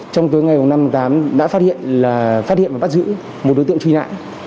trong tuổi ngày hôm năm tám đã phát hiện và bắt giữ một đối tượng truy nạn